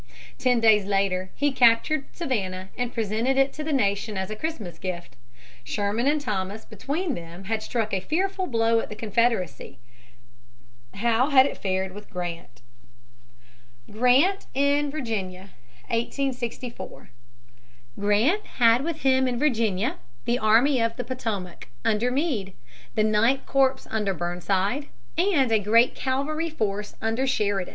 Ten days later he captured Savannah and presented it to the nation as a Christmas gift. Sherman and Thomas between them had struck a fearful blow at the Confederacy. How had it fared with Grant? [Sidenote: Grant's plan of campaign, 1864.] [Sidenote: Objections to it.] 427. Grant in Virginia, 1864. Grant had with him in Virginia the Army of the Potomac under Meade, the Ninth Corps under Burnside, and a great cavalry force under Sheridan.